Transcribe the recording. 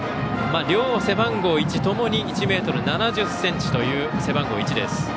両背番号１ともに１ｍ７０ｃｍという。